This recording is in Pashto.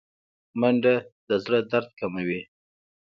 منډه د زړه درد کموي